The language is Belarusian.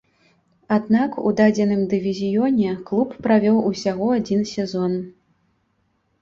Аднак, у дадзеным дывізіёне клуб правёў усяго адзін сезон.